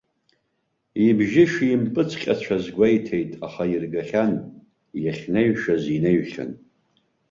Ибжьы шимпыҵҟьацәаз гәеиҭеит, аха иргахьан, иахьнаҩшаз инаҩхьан.